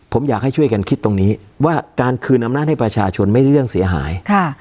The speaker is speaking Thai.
ผมอยากให้ช่วยกันคิดตรงนี้ว่าการคืนอำนาจให้ประชาชนไม่ได้เรื่องเสียหาย